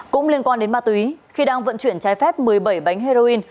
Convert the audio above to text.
cũng liên quan đến ma túy khi đang vận chuyển trái phép một mươi bảy bánh heroin